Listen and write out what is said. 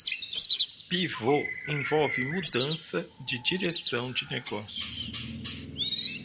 Pivot envolve mudança de direção de negócios.